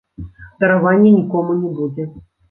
Даравання нікому не будзе.